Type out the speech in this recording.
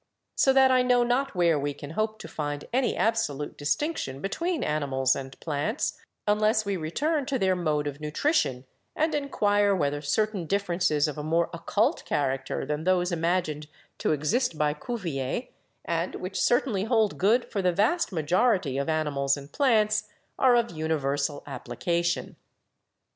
So that I know not where we can hope to find any absolute distinction between animals and plants, unless we return to their mode of nutrition and inquire whether certain differences of a more occult character than those imagined to exist by Cuvier, and which certainly hold good for the vast majority of animals and plants, are of univer sal application.